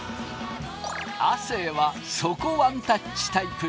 亜生は底ワンタッチタイプ。